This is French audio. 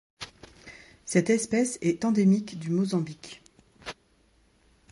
Cette espèce est endémique du Mozambique.